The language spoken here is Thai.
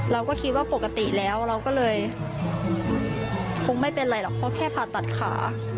เราก็คิดว่าปกติแล้วเราก็เลยคงไม่เป็นไรหรอกเพราะแค่ผ่าตัดขา